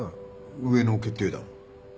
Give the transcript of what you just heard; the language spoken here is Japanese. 上の決定だもん。